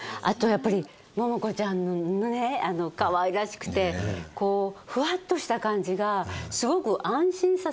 あとやっぱり桃子ちゃんのねかわいらしくてこうふわっとした感じがすごく。